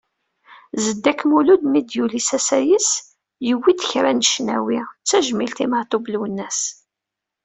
Zedek Mulud mi d-yuli s asayes, yewwi-d kra n ccnawi d tajmilt i Meɛtub Lwennas.